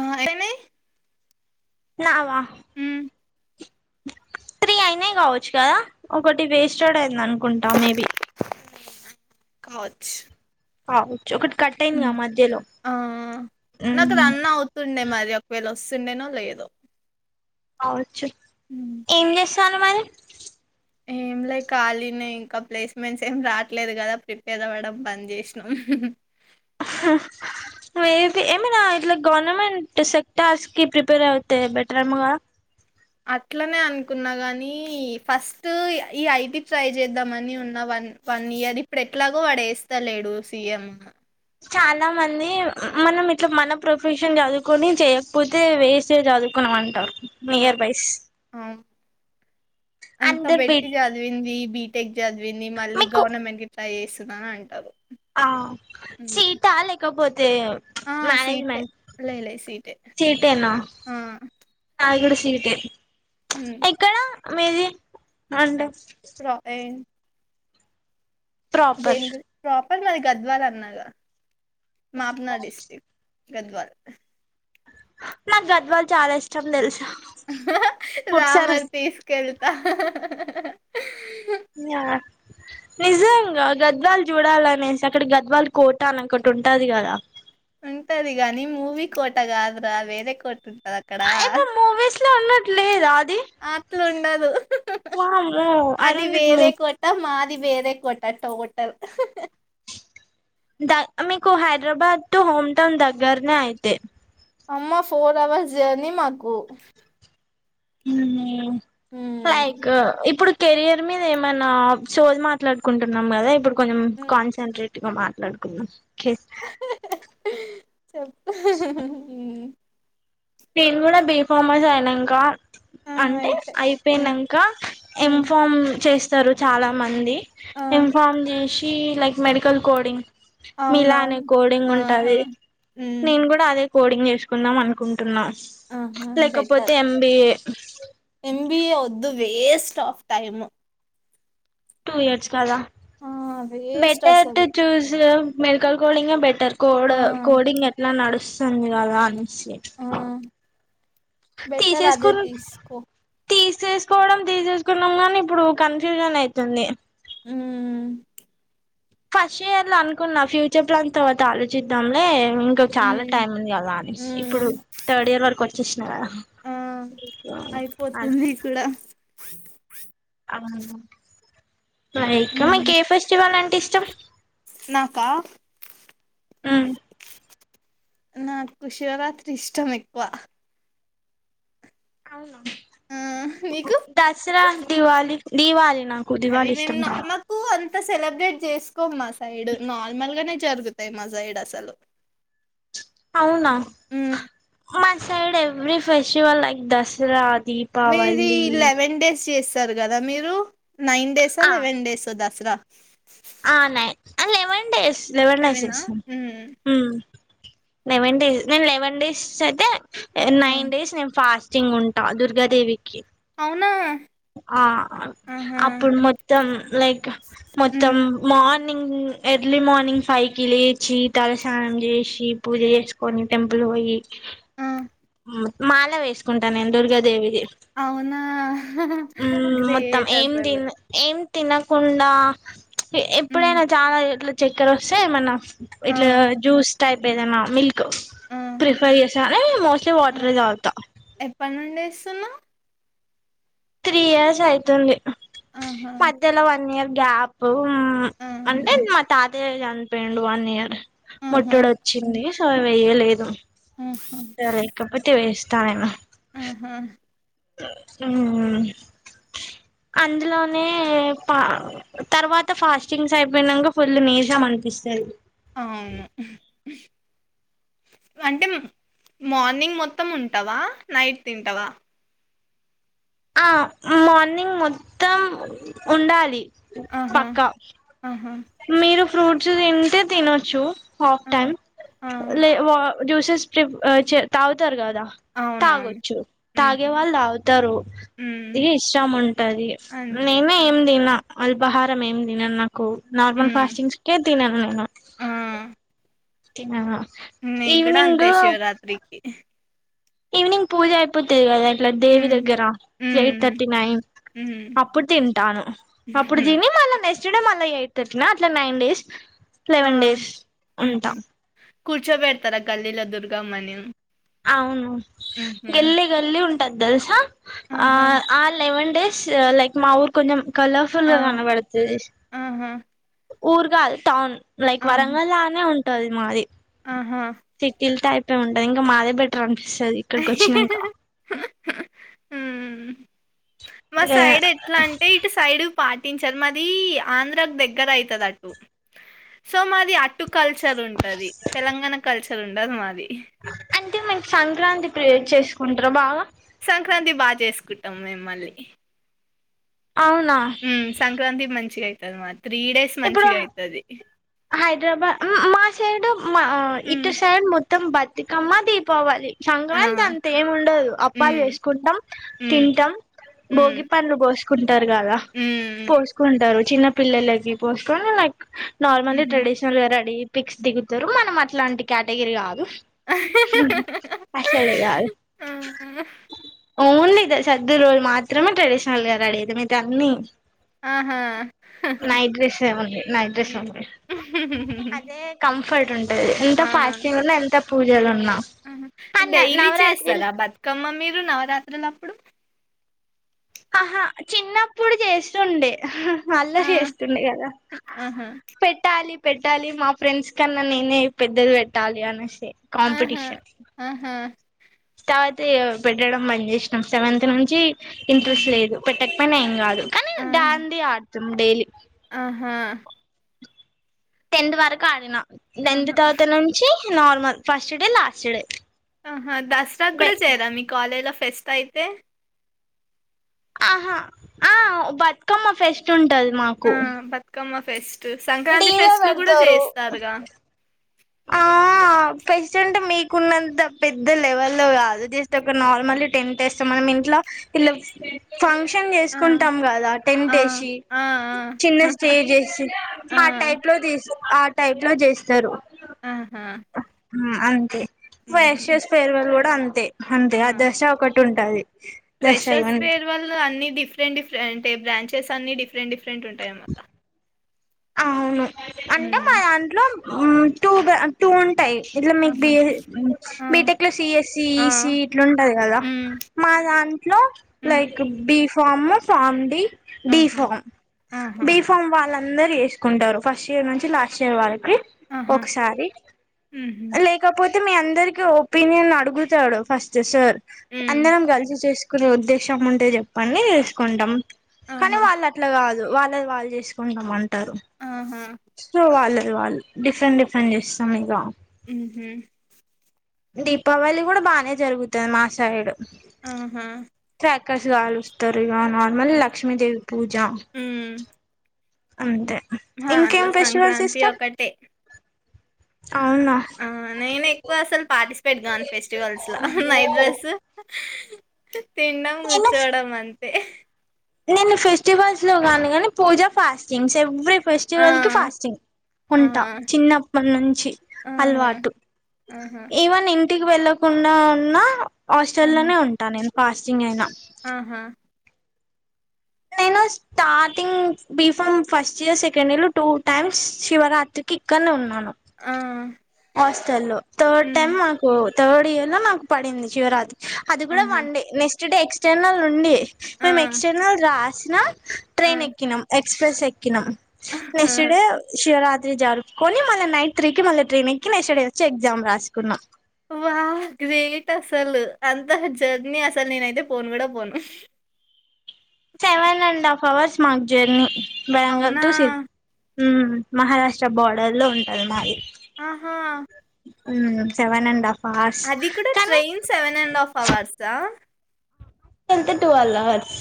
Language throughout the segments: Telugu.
ఆ ఏమి తిన్నావా త్రీ అయినాయి కావచ్చు కదా ఒకటి వేస్టెడ్ అయింది అనుకుంటా మేబి కావచ్చు ఆ ఉమ్ ఆ నాకు రన్ అవుతుందేమో అది ఒకవేళ సున్నెనో లేదో కావచ్చు ఉమ్ కనుమర లైక్ ఖాలీనే ఇంకా ప్లేస్మెంట్స్ ఏం రావట్లేదు కదా ప్రిపేర్ అవ్వడం బంద్ చేసినాం హహ్ ఏ ఏమైనా ఇట్లా గవర్నమెంట్ సెక్టర్స్ కి ప్రిపేర్ అవుతా బెటర్ ఏమో కదా అట్లనే అనుకున్నా గాని ఫస్ట్ ఈ ఐటి ట్రై చేద్దాంమని ఉన్న వా న్ వన్ ఇయర్ ఇప్పుడు ఎట్లాగో వాడు వేస్త లేడు సీఎం చాలా మంది మనం ఇట్లా మన ప్రొఫెషన్ చదువుకొని చేయకపోతే వేస్ట్ ఏ చదువు కుణమంటారు ఆ, నియర్ బైస్ ఆ, అంత అందరు బెట్టి బిట్కు చదివింది బీటెక్ చదివింది మళ్ళీ గవర్నమెంట్ కి ట్రై చేసి స్తున్న అంటారు ఆ ఉమ్. సీటా లేకపోతే ఆ సీటే మేనేజ్మెంట్ లే లే సీటే సీట్ ఏ నా ఆ నాది కూడా సీట్ ఏ హ్మ్ ఎక్కడ మీది అంటే ప్ర ఎన్ ప్రాపర్ దేనికి గురి ప్రాపర్ మరి గద్వాల అన్నాగా మాపున డిస్టిక్ట్ గద్వాల్ నాకు గద్వాలు చాలా ఇష్టం తెలుసా రా ఒకసారి మరి తీసుకెళ్తా [unintelligible] నిజంగా గద్వాల్ చూడాలనేసి అక్కడ గద్వాల్ కోట అని ఒకటి ఉంటది కదా ఉంటది గానీ మూవీ కోట కాదు రా వేరే కోట్ ఉంటది అక్కడ ఇప్పుడు మూవీస్ లో ఉన్నట్లేదా అది అట్లుండదు వామ్మో అది అరుంధతి మూ వేరే కోట మాది వేరే కోట టోటల్ ద మీకు హైదరాబాద్ టు హోమ్ టౌన్ దగ్గరనే అయితే అమ్మ ఫోర్ అవర్స్ జర్నీ మాకు ఉమ్ లైక్ హ్మ్ ఇప్పుడు కెరియర్ మీద ఏమన్నా సోది మాట్లాడుకుంటున్నాం కదా ఇప్పుడు కొంచెం కాన్సన్ట్రేట్ గా మాట్లాడుకుందాం ఓకే చెప్పు ఉమ్ నేను కూడా కూడా బీ ఫార్మస్ అయినాంకా ఆ అంటే అయితే హ్మ్ అయిపోయినాక హ్మ్ ఇన్ఫార్మ్ చేస్తారు. చాలా మంది ఆ ఇన్ఫార్మ్ చేసి లైక్ మెడికల్ కోడింగ్. మీలా నే అవునవును. కోడింగ్ ఆ! ఆ! ఉంటాది. హ్మ్. నేను కూడా అదే కోడింగ్ చేసుకుందాం అనుకుంటున్నా లేకపోతే ఎం. బి. ఏ. ఎంబిఏ వద్దు waste of time. Two years కదా ఆ! వేస్ట్ బెటర్ టు అసలు. చూస్ మెడికల్ కోడింగే బెటర్. కోడ్ ఆ! కోడింగ్ ఎట్లా నడుస్తుంది కదా అని సేఫ్. ఆ! అహ్ బెటర్ అదే తీసుకో తీసేసుకోవడం తీసేసుకున్నాం గాని ఇప్పుడు కన్ఫ్యూజన్ అవుతుంది. మ్! ఫస్ట్ ఇయర్ లో అనుకున్నా ఫ్యూచర్ ప్లాన్ తర్వాత ఆలోచిద్దాంలే. ఇంక చాలా హ్మ్. టైమ్ ఉంది కదా అనేసి ఇప్పుడు హ్మ్. థర్డ్ ఇయర్ వరకు వచ్చేసిన కదా ఆ అయిపోతుంది కూడా. అవును, ఇంకా హ్మ్. మీకు ఏ ఫెస్టివల్ అంటే ఇష్టం? నాకా? మ్! నాకు శివరాత్రి ఇష్టం ఎక్కువ. అవును ఆ! నీకు? దసరా, దివాళి దీవాలి. అవి మేము మాకు అంత సెలబ్రేట్ చేసుకోం మా సైడ్ నార్మల్ గానే. జరుగుతాయి మా సైడ్ అసలు అవునా, హ్మ్. మా side every festival like Dasara మీది దీపావళి లెవెన్ డేస్ చేస్ స్తారు కదా, మీరు నైన్ డేస్ ఆ లెవెన్ డేసో దసరా ఆ లెవెన్ డేస్ లెవెన్ డేస్ లెవెనా చేస్తాం. మ్మ్ లెవెన్ డేస్. నేను లెవెన్ డేస్ అయితే నైన్ డేస్ నేను ఫాస్ట్ టింగ్ ఉంటా దుర్గాదేవికి. అవునా? ఆ ఆహా అప్పుడు మొత్తం లైక్ మొత్తం మ్మ్ మార్ మార్నింగ్ ఎర్లీ మార్నింగ్ ఫైవ్ కి లేచి తలస్నానం చేసి పూజ చేసుకొని టెంపుల్. పోయి ఆ మాల వేసుకుంటా నేను దుర్గాదేవి. అవునా హ్మ్, మొత్తం గ్రేట్ అసలు ఎంతిన్న్ ఏం తినకుండా మ్మ్ ఎప్పుడైనా చాలా ఇట్ల చక్కెర వస్తే మన ఆ ఇట్లా జ్యూస్ టైప్ ఏదైనా మిల్క్ ఆ ప్రిఫర్ చేస్తా హుమ్ మోస్ట్ ఒట్టి వాటర్ తాగుతా. చేస్తున్నావ్ త్రీ ఇయర్స్ అయితుంది. ఆహా మధ్యలో వన్ ఇయర్ గ్యాప్ ఆ అంటే మా తాతయ్య చనిపోయిడు వన్ ఇయర్ ఆహా ముట్టడు వచ్చింది. అవ్ వేయలేదు ఆహా లేకపోతే వేస్తానేను. హ్మ్ మ్ హు అందులోనే పా తర్వాత ఫాస్టింగ్స్ అయిపోయినాక ఫుల్ నీరసం అనిపిస్తాది. అవును అంటే మార్నింగ్ మొత్తం ఉంటావా? నైట్ తింటావా? ఆ మార్నింగ్ మొత్తం ఉండాలి. ఆహా పక్కా ఆహా మీరు ఫ్రూట్స్ తింటే తినొచ్చు హాఫ్ ఆ టైమ్ ఆ లే వా జ్యూసెస్ స్ట్రిప్ చే తాగుతారు కదా? అవునవును తాగొచ్చు. మ్మ్ తాగే హ్మ్ వాళ్ళు తాగుతారు. మ్మ్ ఇ ఇష్టం ఉంటది అంతే నేనే ఏం తిన్న అల్పాహారం ఏం తినను నాకు నార్మల్ హ్మ్ ఫాస్టింగ్స్కే తినను నేను తినను ఉమ్ నేను కూడా ఈవినింగ్ అంతే శివరాత్రికి ఈవినింగ్ పూజ అయిపోతుంది కదా ఇట్లా దేవి హ్మ్ దగ్గర ఎయిట్ హ్మ్ థర్టీ నైన్ హ్మ్ అప్పుడు తింటాను అప్పుడు హుహు తిని మళ్ళ నె క్స్ట్ డే మళ్ళీ ఎయిట్ థర్టీనా అట్లా నైన్ డేస్ ఆ! లెవెన్ డేస్ ఉంటా హుహు. కూర్చోబెడతారా గల్లీలో దుర్గమ్మని అవును హుహు. గల్లి గల్లి ఉంటది తెల్సా ఆ ఆహా! ఆ లెవన్ డేస్ లైక్ మా ఊర్ కొంచెం కలర్ఫుల్ ఆ! కనపడుతది ఆహా! ఊరు కాదు టౌన్ లైక్ ఆహా! వరంగల్లానే ఉంటది మాది ఆహా! సిటిల్ టైప్ ఏ ఉంటది ఇంకా మాదే బెటర్ అనిపిస్తుంది ఇక్కడికి వచ్చినంక ఉమ్ మా సైడ్ ఎట్లా అంటే ఇటు సైడ్ పాటించరు మాది ఆంధ్రాకు దగ్గర అయితది అటు సో మాది అటు కల్చర్ ఉంటది తెలంగాణ కల్చర్ ఉండదు మాది అంటే మనకి సంక్రాంతి క్రియేట్ చేసుకుంటారా బాగా సంక్రాంతి బాగా చేసుకుంటాం మేము మళ్ళీ అవునా ఉమ్ సంక్రాంతి మంచిగా అయితది మాది త్రీ డేస్ ఇప్పుడు మంచిగా అయితది హైదరాబాద్ మా సైడ్ మా హ్మ్. ఇటు సైడ్ మొ త్తం బతుకమ్మ దీపావళి సంక్రాంతి ఆ! అంత ఏం ఉండదు అప్పాలు హ్మ్. చేసుకుంటాం హ్మ్. తింటాం బోగి హ్మ్. పండ్లు పోసు కుంటారు కదా హ్మ్. పోసుకుంటారు చిన్న పిల్లలకి పోసుకని లైక్ నార్మల్ హుహు. ట్రెడిషనల్ రెడీ అయ్యి పిక్స్ దిగుతారు మనం అట్లాంటి కేటగిరీ గాదు ఉహూ అస్సలే కాదు ఆ! ఓన్లీ సర్దు రోల్ మాత్రమే ట్రెడిషనల్ గా రెడీ అయితాం ఇక అన్ని ఆహా! నైట్ డ్రెస్ అవం నైట్ డ్రెస్ అ హుహుహు కంఫర్ట్ ఉంటది ఎంత ఫాస్టింగ్ ఉన్నా ఎంత పూజలు ఉన్నా ఉహూ అన్న డైలీ నవరాత్రిలు చేస్తారా బతుకమ్మ మీరు నవరాత్రులప్పుడు ఆహా చిన్నప్పుడు చేస్తుండే అల్లా ఆ! చేస్తుండే కదా ఆహా! పెట్టాలి పెట్టాలి మా ఫ్రెండ్స్ కన్నా నేనే పెద్దది పెట్టాలి అనేసి ఉహూ కాంపిటీషన్ ఉహూ తర్వాత పెట్టడం బంద్ చేసినాం సెవెంత్ నుంచి ఇంట్రెస్ట్ ఆహా! లేదు పెట్టక పయిన ఏం కాదు కానీ ఆ! దాండియా ఆడుతం డైలీ ఆహా టెన్త్ వరకు ఆడిన టెన్త్ ఆహా! తర్వాత నుంచి normal first day last day ఆహా దసరా కూడా వెల్ చేయరా మీ కాలేజ్ లో ఫెస్ట్ అయితే ఆహా ఆ బతుకమ్మ ఫెస్ట్ ఉంటది మాకు ఆ Bathukamma fest Sankranti DJ fest లు కూడా పెడతారు చేస్తారుగా ఆ ఫస్ట్ అంటే మీకున్నంత పెద్ద లెవెల్లో కాదు జస్ట్ ఒక నార్మల్ టెంట్ ఇస్తామని ఇంట్లో ఇలా ఫంక్షన్ ఆ చేసుకుంటాం కదా ఆ టెంట్ వేసి ఆ చిన్న స్టేజ్ వేసి ఆ టైప్ లో తీ ఆ టైప్ లో చేస్తారు ఆహా ఊ అంతే ఉహు ఫ్రెషర్స్ ఫేర్వెల్ కూడా అంతే అంతే ఆ దశ ఒకటి ఉంటాది ఫ్రెషర్స్ ఫేర్వెల్ అన్ని డిఫరెంట్ డిఫరెంట్ ఏ బ్రాంచెస్ అన్ని డిఫె రెంట్ డిఫరెంట్ ఉంటాయి అనమాట అవును అంటే మా దాంట్లో ఊ టూ టూ ఉం టాయి ఇట్లా మీకు బి ఆహా ఆ బీటెక్ లో సిఎస్సి ఆ ఈసి ఇట్లుంటది కదా ఉమ్ మా దాంట్లో ఉమ్ like B pharm pharm D, D ఆహా ఫామ్ ఆహా బి ఫామ్ వాళ్ళందరు ఎ కుంటారు ఫస్ట్ ఇయర్ నుంచి లాస్ట్ ఇయర్ వరకి ఆహా ఒకసారి ఉహు లేకపో తే మీ అందరికి ఒపీనియన్ అడుగుతాడు ఫస్ట్ సార్ ఉమ్ అందరం కలిసి చేసు కునే ఉద్దేశం ఉంటే చెప్పండి జేసుకుంటాం కానీ ఆహా వాళ్ళట్ల కా దు వాళ్ళది వాళ్ళు జేసుకుంటాం అంటారు ఆహా సో వాళ్ళది వాళ్ళు డిఫరెంట్ డిఫరెంట్ జేస్తాం ఇగ హూమ్మ్ దీపావళి కూడా బానే జరుగుతాది మాసైడ్ ఆహా క్రాకర్స్ కాలుస్తరు ఇగ నార్మల్ లక్ష్మీదేవి పూజ ఉమ్ అంతే మా ఇంకేం దాంట్లో ఫెస్టివల్స్ సంక్రాంతి ఇష్టం ఒకటే అవునా ఆ నేను ఎక్కువ అసలు పాటిస్ పేట్ గాను ఫెస్టివల్స్‌ల నైట్డ్రసు తిన్డం నేను కూర్చోడం అం తే నేను ఫెస్టివల్స్లో గాను కాని పూజ ఫాస్టింగ్స్ ఎవ్రీ ఆ ఫెస్టివల్‌కి ఫాస్టింగ్ ఉంటా ఆహా చిన్నప్పటి నుంచి ఆహా అల్వాటు ఆహా ఈవెన్ ఇంటికి వెళ్ళకుండా ఉన్నా హాస్టల్ ఆహా లోనే ఉంటా నేను ఫాస్టింగ్ అయినా ఆహా నేను first starting B pharm first year second ఇయర్లో టూ టైమ్స్ శివరాత్రికి ఇక్కడ్నే ఉన్నాను ఆ హాస్టల్లో థర్డ్ హ్మ్ టైమ్ మాకు థర్డ్ ఇయర్లో నాకు పడింది శివరాత్రి అది కూడా ఆహా one day next day external నుండి ఆ మేము ఎక్స్టెర్నల్ రాసిన ఆ ట్రెయిన్ ఎక్కినాం ఎక్స్ప్రెస్ ఎక్కినాం నెక్స్ట్‌ డే శివరా త్రీ జరుపుకుని మళ్ళ నైట్ త్రీకి మళ్ళ ట్రైనెక్కి నెక్ట్స్ డే వచ్చి ఎగ్జామ్ రాసుకున్నాం వా గ్రేట్ అసలు అంత జర్నీ అసలు నేనయితే పోన్ కూడా పోన్ సెవెన్ అండ్ హాఫ్ అవర్స్ మాక్ జర్నీ బ్యాంగర్ అవునా? టూ సి హ్మ్ మహారాష్ట్ర బార్డర్లో ఉంటాది మాది ఆహా ఊమ్ సెవెన్ అండ్ హాఫ్ అవర్స్ అది కూడా కానీ ట్రైన్ సెవెన్ అండ్ హాఫ్ అవర్సా కెళ్తే టువల్ అవర్స్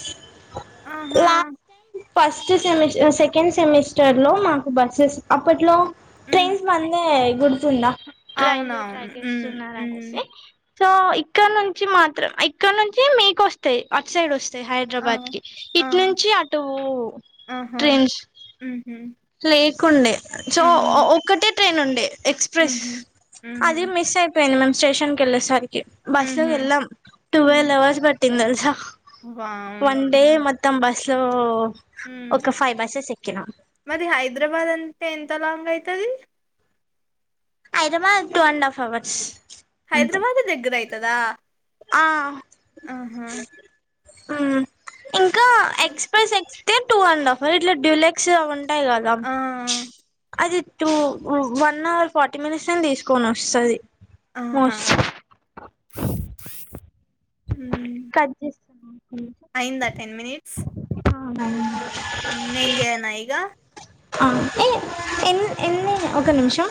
ఆహా లాస్ట్ ఫస్ట్ సెమిస్ ఉ సెకండ్ సెమిస్టర్లో మాకు బస్సెస్ అప్పట్లో హ్మ్. ట్రైన్స్ బంద్అయయ్ గుర్తుందా రైల్వే అవునవును. ట్రాక్ హ్మ్. హ్మ్. ఏస్తున్నారనేసి సో ఇక్కడ నుంచి మాత్రం ఇక్కడ నుంచి మీకొస్తాయ్ అట్ సైడ్ వ తాయ్ ఆ! హైడ్రాబాద్కి ఆ! ఇట్ నుంచి అటూ ఆహా! ట్రెయిన్స్ హుహు. లేకుండె సో హుహు. ఒక్కటే ట్రైనుండె ఎక్స్ప్రెస్ హుహు. హుహు. అది మిస్ అయిపోయింది మేమ్ స్టేషన్ కెళ్ళేసరి కి బస్లో హుహు. ఎళ్ళామ్ హ్మ్. టువల్ అవర్స్ పట్టింది తెల్సా వన్ వామ్మో! డే మొత్తం బస్‌లో హ్మ్. ఒక ఫైవ్ బసెస్ ఎక్కినా మరి హైదరాబాద్ అంటే ఎంత లాంగ్ అయితది Hyderabad two and half hours హైదరాబాదే దగ్గర అయితదా ఆ ఆహా ఇంకా ఎక్స్ప్రెస్ ఎక్కితే టూ అండ్ హాఫ్ ఇట్లా డ్యూలెక్స్ అ టాయి కదా ఆ! అది two one hour forty minutes లనే తీసుకొని వస్తది ఆహా! మోస్ట్లీ హ్మ్. కట్ చేయ్ అయిందా నేం చేయనా ఇగ. ఏ ఎన్ ఎన్ని ఒక నిమిషం.